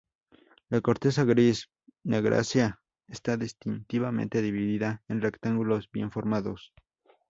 La corteza gris-negrácea está distintivamente dividida en rectángulos bien formados.